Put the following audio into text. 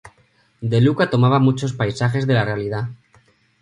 De Luca tomaba muchos paisajes de la realidad.